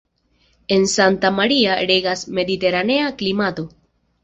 En Santa Maria regas mediteranea klimato.